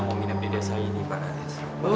meminat pindah saya pak aties